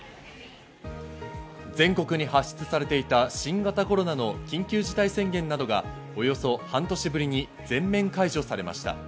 全国に発出されていた新型コロナの緊急事態宣言などが、およそ半年ぶりに全面解除されました。